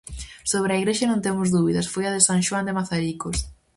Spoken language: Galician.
Sobre a igrexa non temos dúbidas, foi a de San Xoán de Mazaricos.